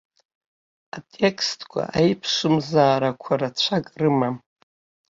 Атекстқәа аиԥшымзаарақәа рацәак рымам.